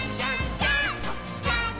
ジャンプ！！」